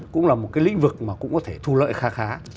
cũng là một cái lĩnh vực mà cũng có thể thu lợi khá khá